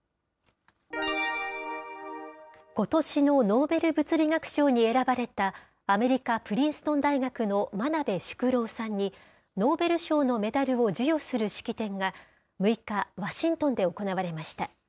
ことしのノーベル物理学賞に選ばれた、アメリカ・プリンストン大学の真鍋淑郎さんに、ノーベル賞のメダルを授与する式典が６日、ワシントンで行われました。